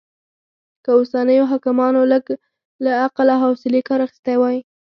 که اوسنيو حاکمانو لږ له عقل او حوصلې کار اخيستی وای